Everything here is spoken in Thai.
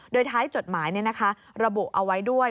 โดยท้ายจดหมายระบุเอาไว้ด้วย